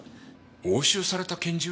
押収された拳銃！？